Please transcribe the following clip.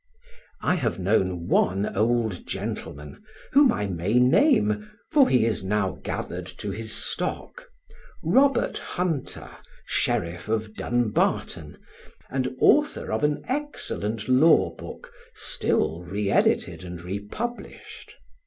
I have known one old gentleman, whom I may name, for he is now gathered to his stock Robert Hunter, Sheriff of Dumbarton, and author of an excellent law book still re edited and republished.